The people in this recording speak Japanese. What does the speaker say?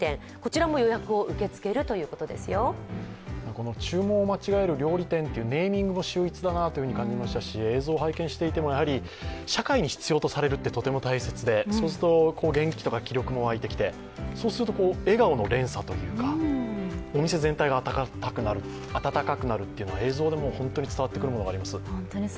この注文をまちがえる料理店というネーミングも秀逸だなと感じましたし映像は意見していても社会に必要とされるって必要で元気とか気力も湧いてきてそうすると笑顔の連鎖とかお店全体が、温かくなるというのは、映像でも本当に伝わってくるものがあります。